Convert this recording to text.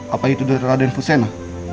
apa itu dari raden fusena